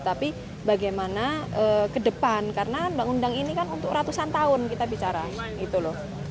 tapi bagaimana ke depan karena undang undang ini kan untuk ratusan tahun kita bicara gitu loh